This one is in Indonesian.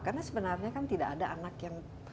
karena sebenarnya kan tidak ada anak yang